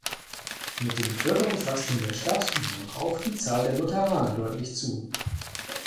Mit dem Bevölkerungswachstum der Stadt nahm auch die Zahl der Lutheraner deutlich zu.